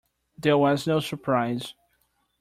There was no surprise.